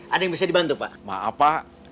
ada yang bisa dibantu pak maaf pak